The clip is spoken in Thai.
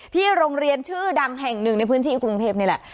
โรงเรียนชื่อดังแห่งหนึ่งในพื้นที่กรุงเทพนี่แหละ